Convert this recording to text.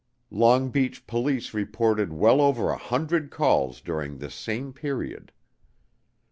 Long Beach police reported "well over a hundred calls" during this same period.